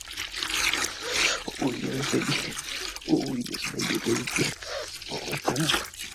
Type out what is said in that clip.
There are areas in France that the population is made up of entirely Muslims.